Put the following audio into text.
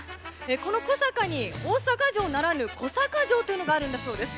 この小阪に、大阪城ならぬ小阪城というのがあるんだそうです。